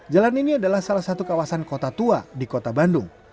jalan ini adalah salah satu kawasan kota tua di kota bandung